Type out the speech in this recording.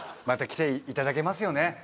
また来ていただけますよね？